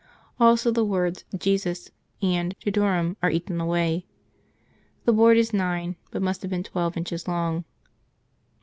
Also the words Jesus and JudcBorum are eaten away. The board is nine, but must have been twelve, inches long.